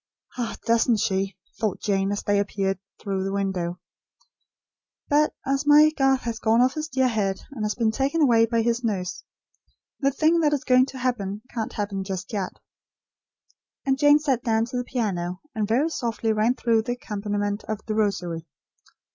"Ah, doesn't she?" thought Jane, as they disappeared through the window. "But as my Garth has gone off his dear head, and been taken away by his nurse, the thing that is going to happen, can't happen just yet." And Jane sat down to the piano, and very softly ran through the accompaniment of The Rosary.